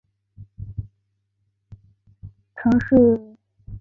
城门谷运动场前身为象鼻山临时房屋区。